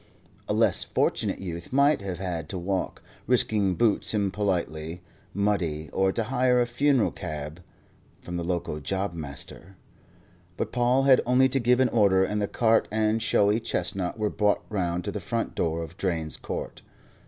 A less Fortunate Youth might have had to walk, risking boots impolitely muddy, or to hire a funereal cab from the local job master; but Paul had only to give an order, and the cart and showy chestnut were brought round to the front door of Drane's Court.